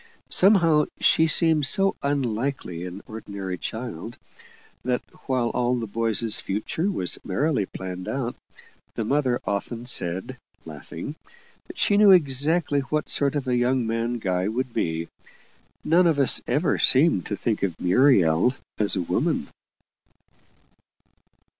Somehow, she seemed so unlike an ordinary child, that while all the boys' future was merrily planned out the mother often said, laughing, she knew exactly what sort of a young man Guy would be none of us ever seemed to think of Muriel as a woman.